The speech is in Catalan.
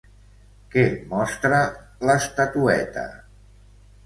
Què mostra l'estatueta?